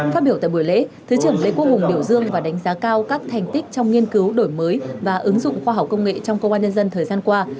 phát biểu tại buổi lễ thứ trưởng lê quốc hùng biểu dương và đánh giá cao các thành tích trong nghiên cứu đổi mới và ứng dụng khoa học công nghệ trong công an nhân dân thời gian qua